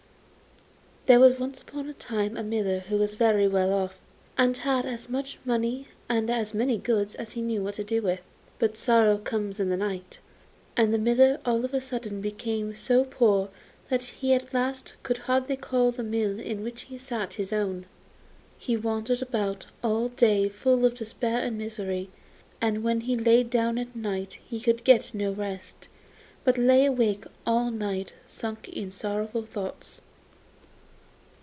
There was once upon a time a miller who was very well off, and had as much money and as many goods as he knew what to do with. But sorrow comes in the night, and the miller all of a sudden became so poor that at last he could hardly call the mill in which he sat his own. He wandered about all day full of despair and misery, and when he lay down at night he could get no rest, but lay awake all night sunk in sorrowful thoughts.